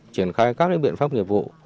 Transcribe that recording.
triển khai các cái biện pháp nghiệp vụ